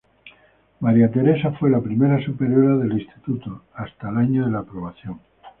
María Teresa fue la primera superiora del instituto hasta el año de la aprobación.